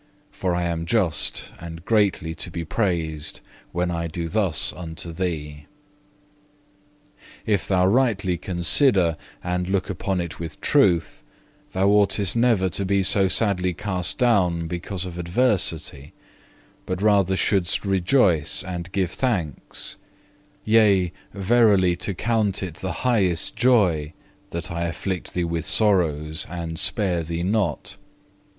But I am just and greatly to be praised, when I do thus unto thee. 6. "If thou rightly consider, and look upon it with truth, thou oughtest never to be so sadly cast down because of adversity, but rather shouldst rejoice and give thanks; yea, verily to count it the highest joy that I afflict thee with sorrows and spare thee not.